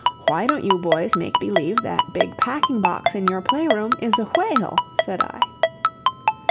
"Why don't you boys make believe that big packing box in your play room is a whale?" said I.